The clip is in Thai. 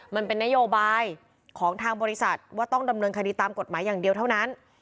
มันเป็นนโยบายของทางบริษัทว่าต้องดำเนินคดีตามกฎหมายอย่างเดียวเท่านั้น